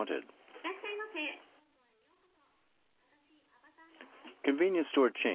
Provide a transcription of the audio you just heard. いらっしゃいませ、ローソンへようこそ。